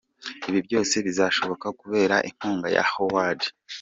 Ibi byose bizashoboka kubera inkunga ya Howard G.